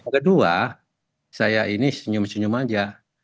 kedua saya ini senyum senyum aja